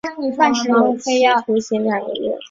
海氏最终被判处有期徒刑两个月。